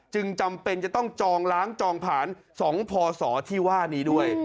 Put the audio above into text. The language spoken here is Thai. จำเป็นจะต้องจองล้างจองผ่าน๒พศที่ว่านี้ด้วย